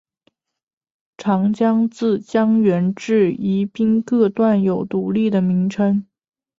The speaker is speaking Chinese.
长江自江源至宜宾各段有独立的名称。